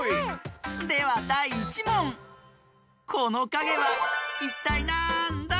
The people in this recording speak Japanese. ではだい１もんこのかげはいったいなんだ？